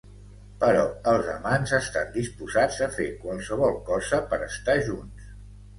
Però els amants estan disposats a fer qualsevol cosa per estar junts.